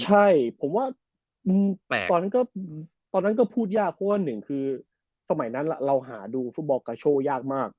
ใช่ผมว่าตอนนั้นก็พูดยากเพราะว่าหนึ่งคือสมัยนั้นเราหาดูฟุตบอลกาโชยากมาก